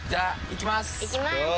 行きます。